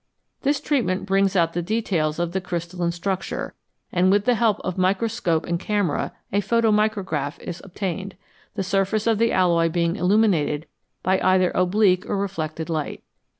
This treatment brings out the details of the crystalline structure, and with the help of microscope and camera a photomicrograph is obtained, the surface of the alloy being illuminated by either oblique or reflected light.